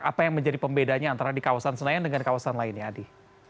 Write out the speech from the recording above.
apa yang menjadi pembedanya antara di kawasan senayan dengan kawasan lainnya adi